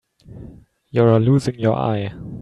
You're losing your eye.